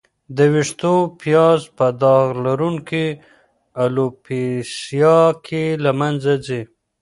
د وېښتو پیاز په داغ لرونکې الوپیسیا کې له منځه ځي.